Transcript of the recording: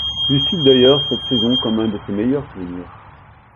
Il cite d'ailleurs cette saison comme un de ses meilleurs souvenirs.